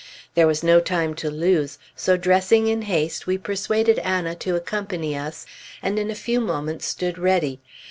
There was no time to lose; so dressing in haste, we persuaded Anna to accompany us, and in a few moments stood ready.